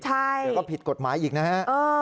ใช่อย่างนั้นก็ผิดกฎหมายอีกนะฮะเออ